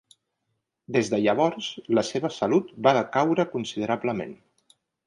Des de llavors la seva salut va decaure considerablement.